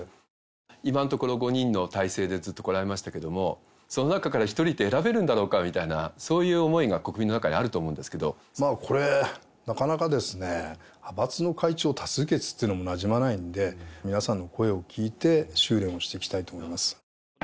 今のところ、５人の体制でずっと来られましたけれども、その中から１人って選べるんだろうかって、そういう思いが国民の中にあると思うんですこれ、なかなかですね、派閥の会長を多数決っていうのもなじまないんで、皆さんの声を聞いて収れんをしていきたいと思います。